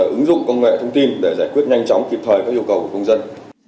ứng dụng công nghệ thông tin để giải quyết nhanh chóng kịp thời các yêu cầu của công dân